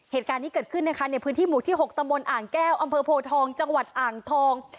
เหตุการณ์นี้เกิดขึ้นนะคะในพื้นที่หมู่ที่๖ตำบลอ่างแก้วอำเภอโพทองจังหวัดอ่างทอง